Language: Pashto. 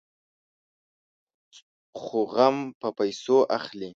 خو غم په پيسو اخلي.